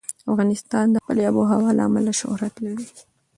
افغانستان د خپلې آب وهوا له امله شهرت لري.